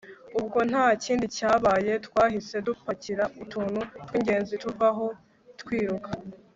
ubwo ntakindi cyabaye, twahise dupakira utuntu twingenzi tuvaho twiruka